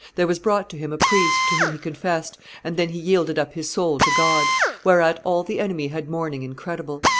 There was brought to him a priest, to whom he confessed, and then he yielded up his soul to God; whereat all the enemy had mourning incredible.